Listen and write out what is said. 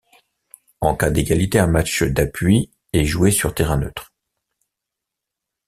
En cas d'égalité, un match d'appui est joué sur terrain neutre.